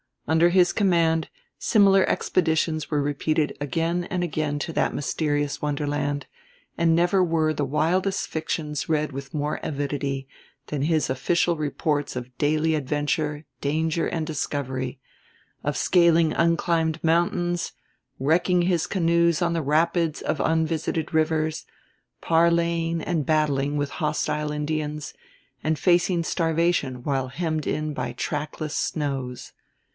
Under his command similar expeditions were repeated again and again to that mysterious wonderland; and never were the wildest fictions read with more avidity than his official reports of daily adventure, danger and discovery, of scaling unclimbed mountains, wrecking his canoes on the rapids of unvisited rivers, parleying and battling with hostile Indians, and facing starvation while hemmed in by trackless snows.